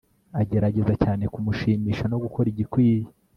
Agerageza cyane kumushimisha no gukora igikwiye